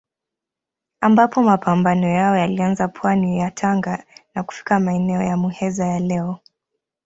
Ambapo mapambano yao yalianza pwani ya Tanga na kufika maeneo ya Muheza ya leo.